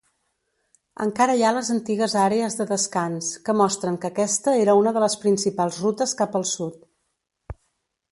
Encara hi ha les antigues àrees de descans, que mostren que aquesta era una de les principals rutes cap al sud.